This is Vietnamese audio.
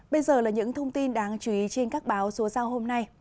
bây giờ là những thông tin đáng chú ý trên các báo số giao hôm nay